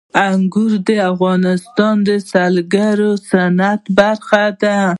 انګور د افغانستان د سیلګرۍ د صنعت برخه ده.